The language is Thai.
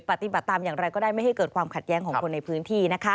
ปฏิบัติตามอย่างไรก็ได้ไม่ให้เกิดความขัดแย้งของคนในพื้นที่